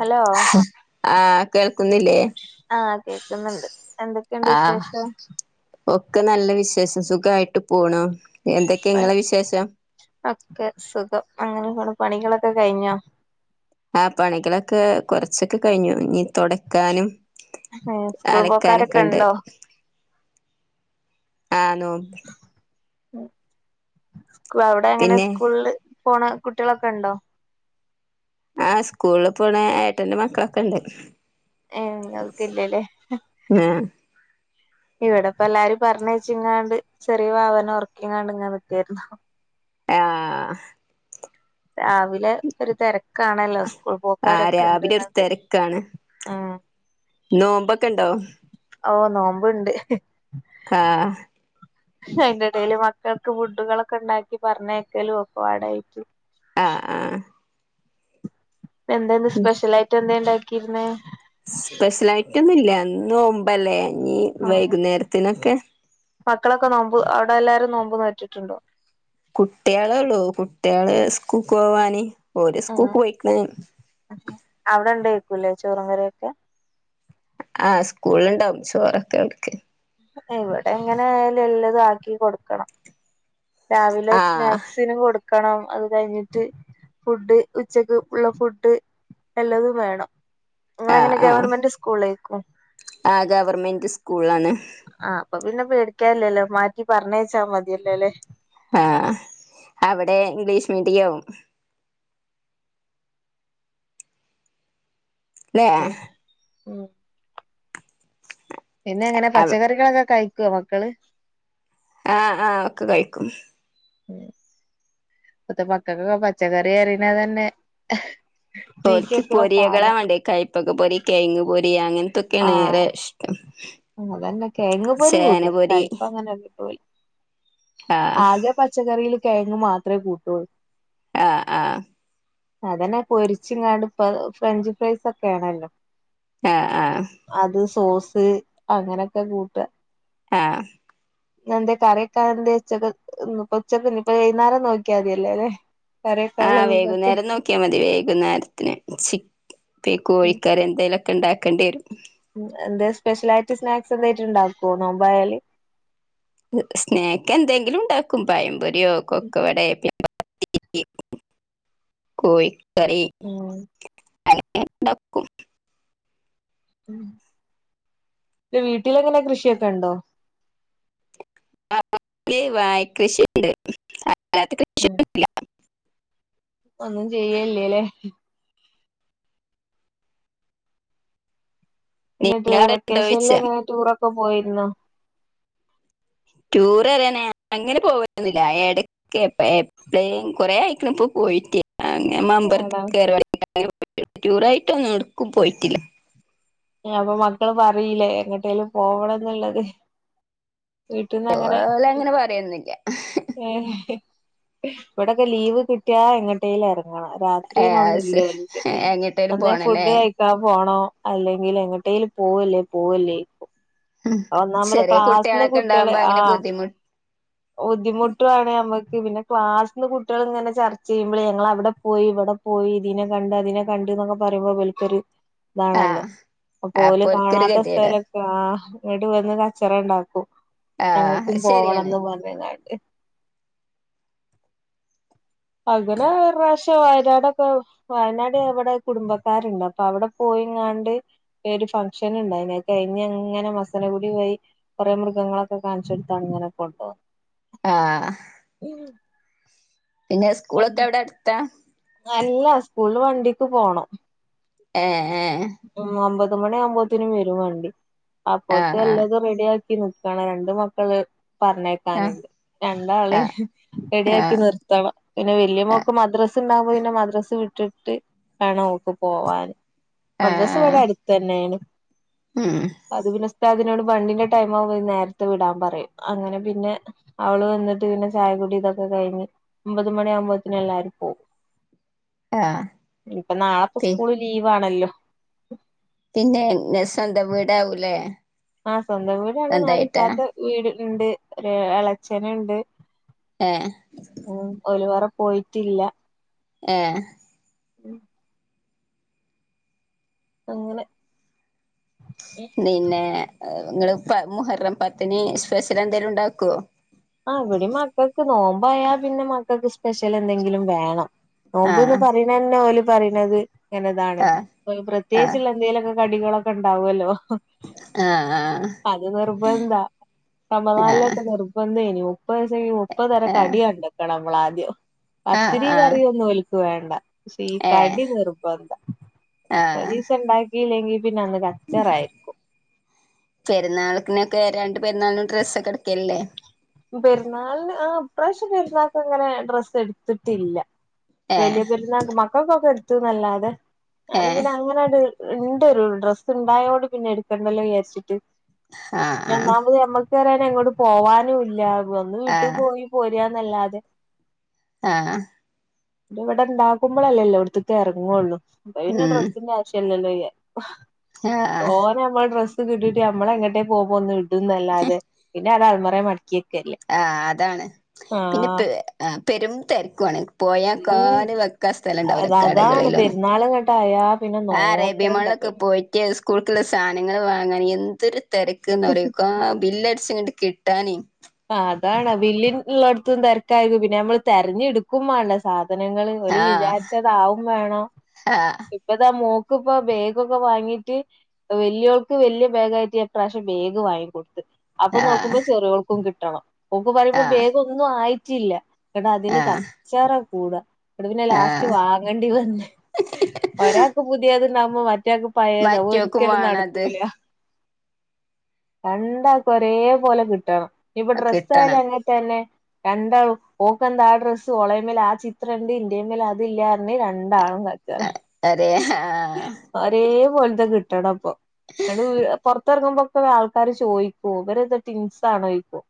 Hello ആഹ് കേൾക്കുന്നില്ലേ ആഹ് കേക്കുന്നുണ്ട് എന്തൊക്കെയുണ്ട് ആഹ് വിശേഷം ഒക്കെ നല്ല വിശേഷം സുഖായിട്ട് പോണു എന്തൊക്കെ ഇങ്ങളെ വിശേഷം ഒക്കെ സുഖം അങ്ങനെ പോണ് പണികളൊക്കെ കഴിഞ്ഞോ? ആഹ് പണികളൊക്കെ കൊറച്ചൊക്കെ കഴിഞ്ഞു ഇനി തൊടക്കാനും സ്കൂൾ പോക്കാരൊക്കെ അലക്കാനൊക്കെണ്ട്. ഉണ്ടോ ആഹ് നോ ഉസ് അവിടെ എങ്ങനെ പിന്നെ സ്കൂളില് പോണ കുട്ടികളൊക്കെ ഉണ്ടോ? ആഹ് സ്കൂളിൽ പോണ ഏട്ടന്റെ മക്കളൊക്കെണ്ട്. ഏഹ് നിങ്ങൾക്ക് ഇല്ലല്ലേ ആഹ് ഇവിടെപ്പ എല്ലാരും പറഞ്ഞയച്ചിങ്ങാണ്ട് ചെറിയ വാവനെ ഒറക്കിങ്ങാണ്ട് ഇങ്ങനെ നിക്കായിരുന്നു. ആഹ് രാവിലെ ഒരു തെരക്കാണല്ലോ സ്കൂൾ ആ പോക്കാരൊക്കെ രാവിലെ ഒരു ഉണ്ട്ന്നാണ്ട് ആഹ് നോമ്പൊക്കെണ്ടോ? ഓഹ് നോമ്പ്ണ്ട്. ആഹ് അയിന്റെ എടേല് മക്കൾക്ക് ഫുഡുകളൊക്കെ ഉണ്ടാക്കി പറഞ്ഞയക്കലും ഒക്കെപാടായിട്ട്. ആഹ് ആഹ് എന്താന്ന് സ്പെഷ്യൽ ആയിട്ട് എന്താ ഉണ്ടാക്കിരുന്നേ സ്പെഷ്യൽ ആയിട്ടൊന്നും ഇല്ല ഇന്ന് നോമ്പല്ലേ അങ്ങനെ ഇനിവൈകുന്നേരത്തിനൊക്കെ മക്കളൊക്കെ നോമ്പ് അവിടെ എല്ലാവാരും നോമ്പ് നോറ്റിട്ടുണ്ടോ? കുട്ടേളൊള്ളൂ കുട്ട്യാള് സ്കൂൾക്ക് പോവാന് ഓര് ഉം സ്കൂൾക്ക് പോയിക്ക്ണ്. അവിടെ ഉണ്ടേക്കൂല്ലേ ചോറും കറിയൊക്കെ ആഹ് സ്കൂളിലുണ്ടാവും ചോറൊക്കെ അവര്ക്ക്. ഇവിടെ എങ്ങനെയാലും എല്ലതും ആക്കി കൊടുക്കണം രാവിലെ ആഹ് സ്നാക്സ് ത്തിന് കൊടുക്കണം അത് കഴിഞ്ഞിട്ട് ഫുഡ് ഉച്ചക്ക് ഉള്ള ഫുഡ് എല്ലാതും വേണം. ആഹ് നിങ്ങളെങ്ങനെ ആഹ് ഗവൺമെന്റ് സ്കൂളിലേക്കും ആഹ് ഗവർൺമെന്റ് സ്കൂളിലാണ്. ആഹ് അപ്പൊ പിന്നെ പേടിക്കാല്ലല്ലോ മാറ്റി പറഞ്ഞയച്ചാ മതിയല്ലോല്ലേ. ആഹ് അവിടെ ഇംഗ്ലീഷ് മീഡിയാവും ല്ലേ ആഹ് ഉം പിന്നെങ്ങനെ ആഹ് പച്ചക്കറികളൊക്കെ കഴിക്കുവോ മക്കള് ആഹ് ആഹ് ഒക്കെ കഴിക്കും. ഉം ഇപ്പത്തെ മക്കക്കൊക്കെ പച്ചക്കറിറണതന്നെ ഓരിക്ക് പൊരിയകളാ വേണ്ട് കൈ പ്പക്ക പൊരി കെയങ്‌ പൊരി അങ്ങനത്തൊക്കെയാണ് ആഹ് ഏറെ ഇഷ്ടം അതന്നെ കേയങ്ങ് പൊരി ചേന കൂട്ടും പൊരി കയ്പ്പ അങ്ങനെക്കെ ആഹ് ആകെ പ പച്ചക്കറിൽ കെയങ്ങ് മാത്രെ കൂട്ടുള്ളൂ. ആഹ് ആഹ് അതന്നെ പൊരിച്ചുങ്ങാണ്ട് ഇപ്പ ഫ്രഞ്ച് ഫ്രൈസ് ഒക്കെ ആണല്ലോ ആഹ് ആഹ് അത് സോസ് അങ്ങനെയൊക്കെ കൂട്ട ആഹ് എന്തേ കറിവെക്കാനന്തേ ഉച്ചക്കക്ക് ഇന്ന്പ്പോ ഉച്ചക്ക്ന്ന് ഇപ്പൊ വൈന്നേരം നോക്കിയാ മതിയല്ലേല്ലെ ആഹ് വേഗൂന്നേരം നോക്കിയൽ മതി വേഗ ന്നേരത്തിന് ചി ഉം കോഴിക്കർ എന്തെലും ഒക്കെ ഉണ്ടാക്കേണ്ടി വരും. ഉം എന്തന്ത് സ്പെഷ്യലായിട്ട് സ്നാക്സ് എന്തായിട്ട് ഉണ്ടാക്കുവോ നോമ്പായാല്? സ്നേക്ക് എന്തെങ്കിലും ഉണ്ടാക്കും പയംപൊരിയോ കൊക്കവടയോ പി കോയി കറി- ഉം [unintelligible] ഉം വീട്ടില എങ്ങനെ കൃഷിയൊക്കെ ഉണ്ടോ? വായി കൃഷിയുണ്ട് അല്ലാതെ കൃഷിയില്ല ഒന്നും ചെയ്യല്ലേല്ലേ- പിന്നെ നിങ്ങളവിടെണ്ടോയ്ച്ച വെക്കേഷനിൽ എങ്ങനെ ടൂറൊക്കെ പോയിരുന്നോ ടൂർ അറിയാനേ അങ്ങനെ പോവൊന്നില്ല എടയ്ക്ക് - പ്പ എപ്പഴും കൊറെ ആയിക്കള ഇപ്പൊ പോയിട്ട് അങ്ങനെ മമ്പലത്തി ആടാ കേരള ടൂറായിട്ടൊന്നും എടുക്കും പോയിട്ടില്ല അപ്പൊ മക്കള് പറയില്ലേ എങ്ങട്ടേലും പോവണം എന്നുള്ളത് വീട്ടിൽന്ന് അങ്ങനെ ഓലങ്ങനെ പറയൊന്നുല്ല ഏ ഇവിടെക്കെ ലീവ് കിട്ടിയ എങ്ങോട്ടേലും എറങ്ങണം- ഏസ് രാത്രിന്നൊന്നല്ലോക്ക് എങ്ങിട്ടേലും അന്നേ പോണല്ലേ ഫുഡ് കഴി ക്കാൻപോണോ അല്ലെങ്കിൽ എങ്ങട്ടേൽ പോവല്ലേ പോവല്ലേ ഉം ഒന്നാമത് ചെറിയ ക്ലാസ്സിന്ന് കുട്ടികളൊക്കെ കുട്ടികള് ഉണ്ടാവുമ്പോ അങ്ങനെ ആഹ് ബുദ്ധിമു ബുദ്ധിമുട്ടുാണ് നമ്മക്ക് പിന്നെ ക്ലാസ്സിൽന്ന് കുട്ടികൾ ഇങ്ങനെ ചർച്ച ചെയ്യുമ്പോൾ ഞങ്ങ അവിടെ പോയി ഇവിടെ പോയി ഇതിനെ കണ്ട് അതിനെ കണ്ട് എന്നൊക്കെ പറയമ്പൊ ഇബലിക്കൊര് ഇതാണല്ലോ ആഹ് പോല അപ്പോൽക്കൊരു കാണാത്ത ഗതികേടാ സ്ഥലൊക്കെ ആ ഇട്ട് വന്ന് കച്ചറം ഉണ്ടാക്കും ആഹ് ഞങ്ങൾക്കും അത് ശരിയാണ് പോവണംന്ന് പറഞ്ഞങ്ങാട് അങ്ങനെ ഒറശ്യ വയനടൊക്കെ വയനാട് അവിടെ കുടുംബക്കാരുണ്ട് അപ്പൊ അവിടെ പോയിങ്ങാണ്ട് ഒരു ഫംഗ്ഷൻ ഉണ്ടായി കഴിഞ്ഞഞ് അങ്ങനെ മസനകുടി പോയി കുറെേ മൃഗങ്ങളൊക്കെ കാണിച്ചെടുത്താണ് ഇങ്ങനെ കൊണ്ടത് ആഹ് പിന്നെ സ്കൂളൊക്കെ വിടെ ടുത്താ അല്ല സ്കൂള് വണ്ടിക്ക് പോണം ഏഹ് ആഹ് ഉം ഒമ്പത് മണി ആവുമ്പോത്തി വരും വണ്ടി അപ്പത്തെ ഏഹ് ആഹ് എല്ലാതും റെഡിയ ആക്കി നക്കി ആഹ് രണ്ട് മക്കള് ആഹ് പറഞ്ഞേക്കാനുണ്ട് രണ്ടാളെയും ആഹ് റെഡിയാക്കി ആഹ് നിർ ത്തണം പിന്നെ വലിയ ആഹ് മോക്ക് മദ്രസ് ണ്ടാകുമ്പോ പിന്നെ മദ്രാസ് വിട്ടിട്ട് വേണം അവക്ക് പോവാൻ മദ്രാസ് ഇവ്ടെ ആഹ് അട് ത്ത് ന്നെയാണ്- ഉം അത് പിന്നെ ഉസ്താധിനോട് വണ്ടിന്റെ ടൈം ആവ്മ്പം നേരത്തെ വിടാൻ പറയും അങ്ങനെ പിന്നെ- അവള് വന്നിട്ട് പിന്നെ ചായക്കുടി ഇതൊക്കെ കഴിഞ്ഞ് ഒമ്പത് മണിയ ആകുമ്പോഴ്ത്തേന് എല്ലാരും പോവും ആഹ് - ഇപ്പൊ നാളെപ്പ സ്കൂള് ലീവ് ആണല്ലോ പിന്നെ നെസ്റ്റ് സന്ത വീടാവൂലേ ആഹ് സ്വന്തം വീടാണ് നാലും സ്വന്തായിട്ടാ ഇത്താത്ത വീട്ല് ഉണ്ട് ഇളച്ചനുണ്ട് ആഹ് ഉം ഓരു വേറെ പോയിട്ടില്ല ആഹ് ഉം അങ്ങനെ പിന്നെ നിങ്ങള് മുഹർം പത്തിന് സ്പെഷ്യൽ എന്തേലും ഉണ്ടാക്കോ ആഹ് ഇവിടെ മക്കൾക്ക് നോമ്പയാ പിന്നെ മക്കൾക്ക് സ്പെഷ്യൽ എന്തെങ്കിലും വേണം. നോമ്പ്ന്ന് ആഹ് പറയണന്നെ ഓല് പറയണത് ഇങ്ങനെതാണ് ആഹ് ആഹ് പ്രത്യേകിച്ചുള്ള എന്തേലൊക്കെ കടികളൊക്കെ ഉണ്ടാവല്ലോ. ആഹ് ആഹ് അത് നിർബന്ധ ആഹ് റമളാനിലൊക്കെ നിർബന്ധേയിനു. മുപ്പ ദിസം മുപ്പത് തരം ആഹ് കടി കണ്ടക്കണം നമ്മൾ ആദ്യം ആഹ് പത്തിരിയും ആഹ് കറിയൊന്നും ഒൽക്ക് വേണ്ട. സീ ഏഹ് കടി നിർബന്താ. ആഹ് ഒരീസം ഇണ്ടാക്കിയില്ലെങ്കി പിന്നെ അന്ന് ച്ചറായിരിക്കും. പെരാൾക്കിനൊക്കെ രണ്ട് പെരുന്നാളിനും ഡ്രസ്സക്കെടക്കലില്ലേ? പെരുന്നാളിന് ആഹ് ഇ പ്രാവശ്യ പെരുന്നാൾക്ക് അങ്ങനെ ഡ്രസ്സ് എടുത്തിട്ടില്ല. ഏഹ് വല്ല്യ പെരുന്നാൾന് മക്കൾക്കൊക്കെ എടുത്തുന്നല്ലാതെ ഞൻ ഏഹ് പിന്നെ അങ്ങനാണ്ട് ഇണ്ട് ഡ്രസ്സ് ഉണ്ടായതോട് പിന്നെ എടുക്കണ്ടല്ലോ വിചാരിച്ചിട്ട്. ആഹ് ഒന്നാമത് നമ്മൾക്ക് [unintelligible] എങ്ങോട്ട് പോവാനും ഇല്ല ഒന്ന് വീട്ടിൽ ആഹ് പോയി പോരന്നല്ലാതെ. ആഹ് ഇത് ഇവിടെ ഇണ്ടാക്കുമ്പോളല്ലെ എല്ലോട്ത്ക്കും ഇറങ്ങുള്ളൂ. അപ്പ പിന്നെ ഉം ഡ്രസിന്റെ ആവിശ്യ ശ്യാം ഇല്ലല്ലോ വിചാരിക്കും ആഹ് ആഹ് നമ്മൾ ഡ്രസ്സ് കിട്ടിട്ട് നമ്മളെ എങ്ങട്ടേ പോകുമ്പോ ഒന്ന് ഇടുന്നല്ലാതെ പിന്നെ അത് ആൾമറേ മടക്കിക്കെല്ലേ. ആഹ് അതാണ്. പിന്നെ പെ പെരും തെര്ക്കു ആണ്. പോയാ ഉം ക്കാല് വെക്കാ സ്ഥലണ്ടാവുല കടകളിലൊന്നും. തായാ. ആഹ് അറേബ്യ മാളിലൊക്കെ പോയിട്ട് സ് സ്കൂൾക്കുള്ള സാധനങ്ങള് വാങ്ങാന് എന്തൊരു തെരക്ക്ന്ന് അറിയോ കാ ബില്ലടിച്ചങ്ങട്ട് കിട്ടാനെ ആഹ് അതാണ്. വില്ല് ഉള്ളോട്ത്തും തരക്കായി പിന്നെ നമ്മള് തെരഞ്ഞെടുക് ക്കും വേണ്ടെ സാധനങ്ങള്. ഓല് ആഹ് വിചാരിച്ചതാവും വേണം. ആഹ് ഇപ്പതാ മോക്ക് ഇപ്പ ബേഗോക്കെ വാങ്ങിട്ട് വല്ല്യോൾക്ക് വല്യ ബാഗായിട്ട് ഞാൻ ഇപ്രാവശ്യം ബേഗ് വാങ്ങി കൊടുത്ത്. അപ്പൊ ആഹ് നോക്കുമ്പോ ചെറ്യോൾക്കും കിട്ടണം. ഓൾക് പറയുമ്പോ ആഹ് ബേഗ് ഒന്നും ആയിട്ടില്ല. ഇങ്ങട്ട് അതിന് ആഹ് കച്ചറ കൂടാ. ഇങ്ങട്ട് പിന്നെ ലാസ്റ്റ് ആഹ് വാങ്ങേണ്ടി വന്ന്. ഒരാൾക്ക് പുതിയത്ണ്ടാവുമ്പോ മറ്റാൾക്ക് പഴേത് മറ്റോക്കും ഒരിക്കലും വേണത് നടക്കൂല. രണ്ടാക്കും ഒരേ പോലെ കിട്ടണം. ഇനി ഇപ്പൊ ഡ്രസ്സായാലും കിട്ടണം അങ്ങന തന്നെ. രണ്ടാളും ഓക്കെന്താ ആ ഡ്രസ്സ് ഓളേമേൽ ആ ചിത്രം ഇണ്ട് ഇന്റെമേൽ അത് ഇല്ലാന്ന് പറഞ്ഞ് രണ്ടാളും ക അഹ് അരേ ഹാ ഒരേ പോലത്തെ കിട്ടണം ഇപ്പൊ. [unintelligible] പൊറത്തറങ്ങുമ്പോക്കെ ആൾക്കാര് ചോദിക്കും ഇവരെന്ത ടിങ്സ് ആണോ? ചോദിക്കും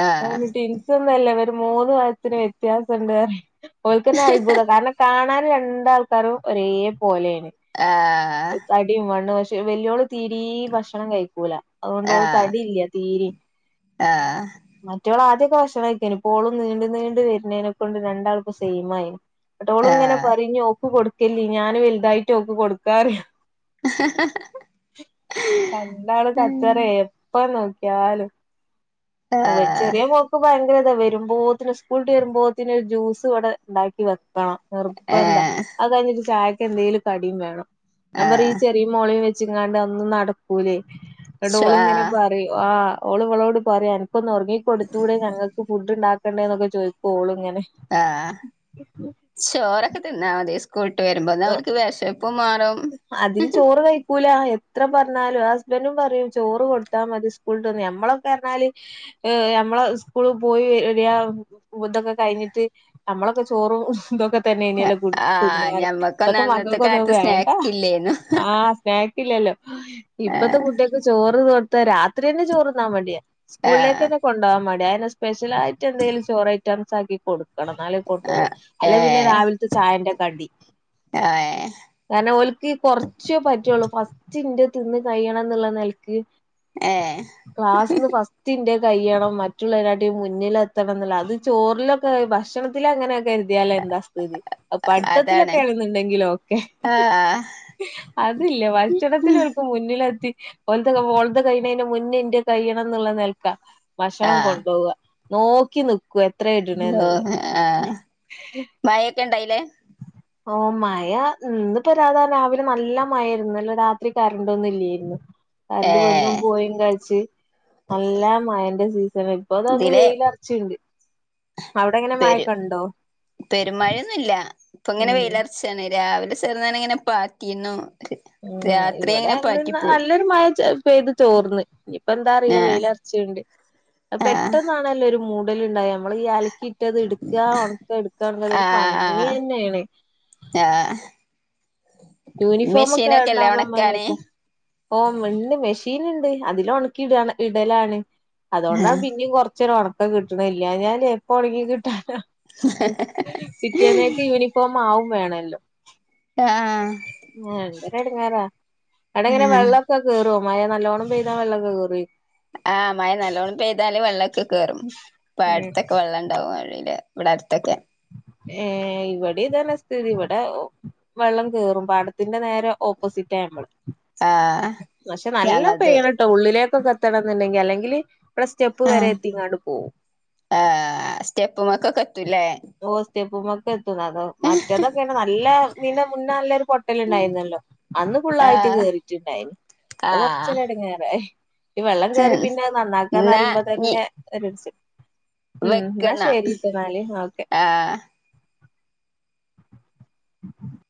ആ ഞാൻ പറിം ടിൻസ ഒന്നല്ല ഇവര് മൂന്ന് വയത്തിന് വ്യത്യാസണ്ട് പറയും. ഓൽക്കന്നെ അത്ഭുതം കാരണം കാണാൻ രണ്ടാൾക്കാരും ഒരേ പോലെണ്. ആഹ്. തടിയും മണ്ണം പക്ഷെ വല്ല്യള് തീരീ ഭക്ഷണം കഴിക്കൂല. അതു കൊണ്ട് ഓള് തടിയില്ല തീരി. ആഹ് മറ്റോള് ആദ്യക്കെ ഭക്ഷണം കഴിക്കോയിനി, ഇപ്പോളും നീണ്ടു നീണ്ട് വരുന്നേതിനെ ക്കൊണ്ട് രണ്ടാൾപ്പ സെയിം ആയി. ഇങ്ങട്ടോള് ആ ആ ഇങ്ങനെ പറയും ഇഞ്ഞി ഓൾക് കൊടുക്കല്ലി ഞാന് വലുതായിട്ട് ഓൾക്ക് കൊടുക്കാന്നറിയും. രണ്ടാളും കച്ചറെ എപ്പ നോക്കിയാലും. ഓഹ് ചെറിയ മോക്ക് ഭയങ്കര ഇതാ വരുമ്പോത്തിന് സ്കൂള്ട്ട് വരുമ്പോത്തിന് ഒരു ജ്യൂസ് ഇവിടെ ഉണ്ടാക്കി വെക് ക്കണം ഏ നിർബന്ധ. അത് കഴിഞ്ഞിട്ട് ചായക്ക് എന്തെലും കടിയും വേണം. ഞാൻ ആ പറയും ഈ ചെറിയ മോളേയും വെച്ചങ്ങാണ്ട് അതൊന്നും നടക്കൂലേ ഇങ്ങട്ട് ശോ ആ ഓള്ങ്ങനെ പറ ആഹ് ഓള് ഇവളോട് പറയാ അനക്കൊന്ന് ഉറങ്ങി കൊടുത്തൂടെ ഞങ്ങൾക്ക് ഫുഡ് ഇണ്ടാക്കണ്ടെ ചോയിക്കും ഒള് ഇങ്ങനെ ഇങ്ങനെ. ആ ചോറൊക്കെ തിന്നാ മതി സ്കൂള്ട്ട് വരുമ്പോ ഇന്നാ ഓല്ക്ക് വെഷപ്പും മാറും. അതിന് ചോറ് വെയ്ക്കൂല എത്ര പറഞ്ഞാലും ഹസ്ബൻറ്റും പറയും ചോറ് കൊടുത്താ മതി സ് സ്കൂളട്ട്ന്നാ ഞമ്മളെക്കെഞ്ഞാല് ഞമ്മളെ സ്കൂള് പോയി. വെ വെരാ ഉതൊക്കെ കയിഞ്ഞിട്ട് അമ്മളൊക്കെ ചോറും ഇതൊക്കെ. തന്നെയ്ന്നല്ലോ കുടി ആ തിന്നാറ ഇപ്പത്തെ മക്കക്കൊന്നും അഹ് വേ ഇല്ലേനു. ആഹ് സ്നാക്ക് ഇല്ലല്ലോ ഇപ്പത്തെ കുട്ടേക്ക് ചോറ് കൊടുത്ത രാത്രിന്നെ ചോറ്ന്നാ മടിയ. ആ സ്കൂളിലേക്കന്നെ കൊണ്ടാവാൻ മടി അതന്നെ സ്പെഷ്യലായിട്ട് എന്തെലും ചോറ് ഐറ്റംസ് ആക്കി കൊടുക്കും. കെടന്നാലൽ കൊണ്ടു ആ പോകും ഏ അല്ലെ പിന്നെ രാവിലത്തെ ചായന്റെ കടി ഏഹ്. കാരണം ഓൽക്ക് കൊറച്ചേ പറ്റൊള്ളൂ ഫസ്റ്റ് ഇന്റത് തിന്ന് കഴിയണം ന്ന്ള്ള നെല്ക്ക്. ഏഹ്. ക്ലാസ്ന്ന് ഫസ്റ്റന്റെ കയ്യണം മറ്റുള്ളതിനാട്ടി മുന്നിലത്തണംന്ന്ള്ളെ അത് ചോറില ഭക്ഷണത്തിലങ്ങനെ കരുതിയാലെന്താ സ്ഥിതി അഹ് അതാണ് പഠിത്തത്തിലൊക്കെണെന്നുണ്ടെങ്കിലോക്കെ. ആ ആ അതില്ല ഭക്ഷണത്തിലോൽക്ക് മുന്നിലെത്തി. ഓലത് ഓളത് കഴിണെന്റെ മുന്നേ ഇന്റേത് കഴിയണംന്ന്ള്ള നൽക്ക. ആ ഭക്ഷണം കൊണ്ടോവ നോക്കി നിക്കു എത്രേ ഇടണ്ന്ന്ള്ള മയൊക്കെ ഇണ്ടായിലേ. ഓ മയ ഇന്ന്പ്പോ സാത രാവിലെ നല്ല മയരുന്നു ഇന്നലെ രാത്രി കറണ്ടൊന്നും ഇലെർന്ന്. കരന്റ് വന്നും ഏഹ് പോയിം കള്ച്ച്. നല്ല മയന്റെ സീസണ് ഇപ്പൊത ഒന്ന് ഇതിലെ വെയിലറച്ച്ണ്ട്. അവടെങ്ങന മയക്കെണ്ടോ? പെരുമയൊന്നുംല്ല ഇപ്പങ്ങനെ ഉം വെയിലർചാണ് രാവിലെ ചേർന്നനെങ്ങനെ പാറ്റിന്നു. ഉം രാത്രി ഇവടെ അങ്ങനെ ഇന്ന് പാറ്റിപ്പോയി നല്ലൊരു മയ ച പൈത് തോർന്ന് ഇനിപ്പ എന്താ അറീല ആഹ് വെയിലർച്ച്ണ്ട്. അഹ് ആഹ് പെട്ടെന്നാണല്ലോ ഒരു മൂടൽണ്ടായ അമ്മള് ഈ അലക്കിട്ടത് ഇട്ക്ക ഒണക്ക ഇടുക്കറഞ്ഞ അതൊരു ആഹ് ആഹ് പണിന്നെണ്. ആഹ്. യൂണിഫോമക്കെ മെഷീനൊക്കെല്ലേ ഇണ്ടാവുമ്പോ അമ്മള് ഒണക്കാന് വെക്കും. ഓഹ് ഇണ്ട് മെഷീന്ണ്ട് അതിലൊണക്കി ഇട ഇടലാണ്. അതോണ്ടാണ് ആഹ് പിന്നിം കൊറച്ചരു ഒണക്കം കിട്ടണയ് ഇല്ലാഞല് എപ്പൊ ഒണങ്ങി കിട്ടാന. പിറ്റേന്നേക്ക് യൂണിഫോമാവും വേണല്ലോ. ആഹ്. ആഹ് ഇതൊരടങേറാ അവടെ എങ്ങനെ ആഹ് വെള്ളം. ക്കെ കെറോ മഴ നല്ലോണം പെയ്താ വെള്ളം കേറൊയ് ആഹ് മഴ നല്ലോണം പെയ്താല് വെള്ളൊക്കെ കേറും പടത്തൊക്കെ വെള്ള ഇണ്ടാവും വഴിയില് ഇവടെ അട്ത്തൊക്കെ. ഏഹ് ഇവടിതന്നെ സ്ഥതി ഇവടെ. വെള്ളം കേറും പാടത്തിന്റെ നേരെ ഓപ്പോസിറ്റ നമ്മള്. ആഹ്. നഷേ നല്ലം ഞങ്ങൾത് പെയ്യണട്ടോ ഉള്ളിലേക്കൊക്കെ എത്തണംന്ന്ണ്ടെങ്കി അല്ലെങ്കില്. ഇവടെ സ്റ്റെപ്പ് വരെ ആഹ് എത്തിങ്ങാട്ട് പോവും. ആഹ് സ്റ്റെപ്പ്മ്മക്കൊക്കെ എത്തുലേ. ഓഹ് സ്റ്റപ്പ്മ്മക്കെത്തും അതോ മറ്റതൊക്കെന്നറഞ നല്ലെ തിന് മുന്നെ നല്ലൊരു പൊട്ടല് ഇണ്ടായിന്നല്ലോ. അന്ന് ഫുള്ളായിട്ട് ആഹ് കേറിറ്റ്ണ്ടായി അയ് ആഹ് കൊറചൊടങേറായി. ഈ വെള്ളം കേറി പിന്നെ എന്നാ ഞ് നന്നാക്കാന്നറിമ്പോതന്നെ ഒരു സ് ഉം ഇന്നാ വെക്കന ശെരിട്ടനാല് ഓക്കെ. ആ [inaudible]